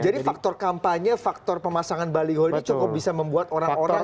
jadi faktor kampanye faktor pemasangan baliho ini cukup bisa membuat orang orang ya